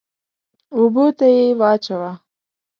اوبو ته يې واچوه.